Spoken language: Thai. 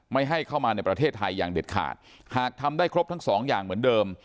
ไม่ให้เข้ามาในประเทศไทยอย่างเด็ดขาดหากทำได้ครบทั้งสองอย่างเหมือนเดิม